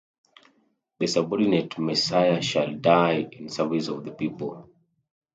The subordinate Messiah shall die in service of the people.